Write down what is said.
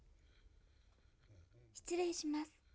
・失礼します。